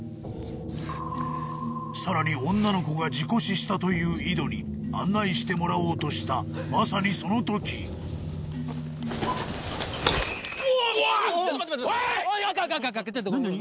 さらに女の子が事故死したという井戸に案内してもらおうとしたまさにその時うわおい！